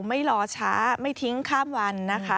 ไม่รอช้าไม่ทิ้งข้ามวันนะคะ